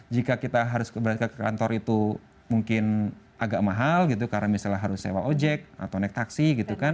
jika kita harus berangkat ke kantor itu mungkin agak mahal gitu karena misalnya harus sewa ojek atau naik taksi gitu kan